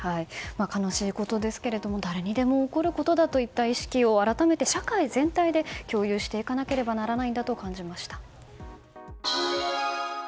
悲しいことですが誰にでも起こることだということを改めて社会全体で共有していかなければならないと感じました。